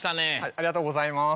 ありがとうございます。